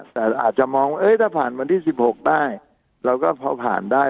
แต่อาจจะมองว่าถ้าผ่านวันที่๑๖ได้เราก็พอผ่านได้